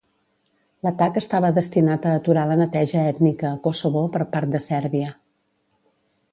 L'atac estava destinat a aturar la neteja ètnica a Kosovo per part de Sèrbia.